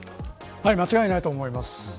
間違いないと思います。